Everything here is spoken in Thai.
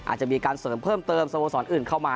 อาจจะมีการเสริมเพิ่มเติมสโมสรอื่นเข้ามา